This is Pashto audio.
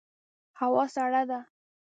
هوا سړه ده